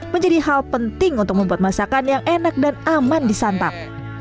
menjadi hal penting untuk membuat masakan yang enak dan aman disantap